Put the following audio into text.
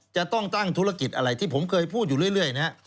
จะต้องตั้งธุรกิจอะไรที่ผมเคยพูดอยู่เรื่อยนะฮะ